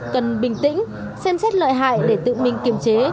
cần bình tĩnh xem xét lợi hại để tự mình kiềm chế